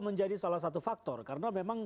menjadi salah satu faktor karena memang